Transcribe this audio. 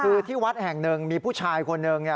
คือที่วัดแห่งหนึ่งมีผู้ชายคนหนึ่ง